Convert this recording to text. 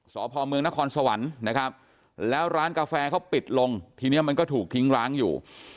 สพเมืองนครสวรรค์นะครับแล้วร้านกาแฟเขาปิดลงทีนี้มันก็ถูกทิ้งร้างอยู่